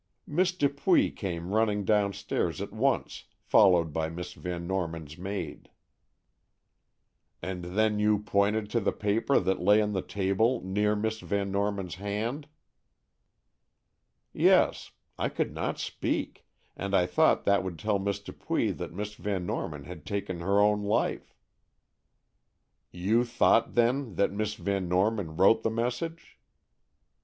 "Miss Dupuy came running downstairs at once, followed by Miss Van Norman's maid." "And then you pointed to the paper that lay on the table near Miss Van Norman's hand." "Yes; I could not speak, and I thought that would tell Miss Dupuy that Miss Van Norman had taken her own life." "You thought, then, that Miss Van Norman wrote the message?"